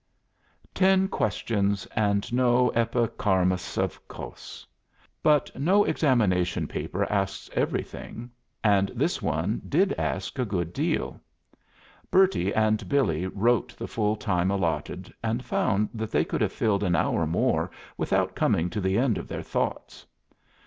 Ten questions, and no Epicharmos of Kos. But no examination paper asks everything, and this one did ask a good deal. Bertie and Billy wrote the full time allotted, and found that they could have filled an hour more without coming to the end of their thoughts.